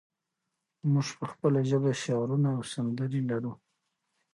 موږ په خپله ژبه شعرونه او سندرې لرو.